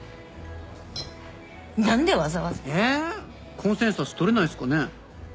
コンセンサスとれないっすかね？